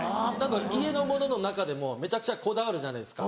家のものの中でもめちゃくちゃこだわるじゃないですか。